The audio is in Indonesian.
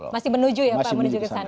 masih menuju ya pak menuju ke sana